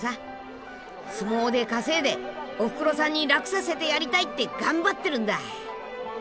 相撲で稼いでおふくろさんに楽させてやりたいって頑張ってるんだ。